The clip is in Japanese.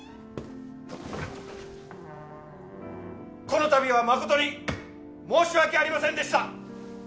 ・このたびは誠に申し訳ありませんでした！